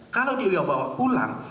kalau dia bawa pulang